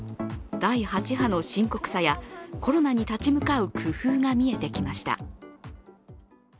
第８波の深刻さやコロナに立ち向かう工夫が見えてきました。